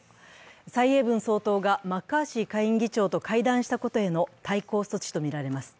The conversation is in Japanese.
蔡英文総統がマッカーシー下院議長と会談したことへの対抗措置とみられます。